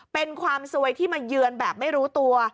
เป็นความสวยที่มาเยือนแบบไม่รู้ตัว